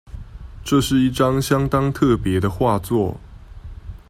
這是一張相當特別的畫作